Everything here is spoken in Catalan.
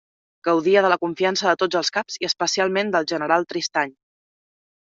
Gaudia de la confiança de tots els caps i especialment del general Tristany.